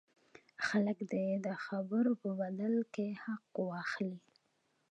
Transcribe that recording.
خلک دې د خبرو په بدل کې حق واخلي.